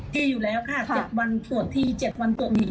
ดีอยู่แล้วค่ะ๗วันตรวจที๗วันตรวจที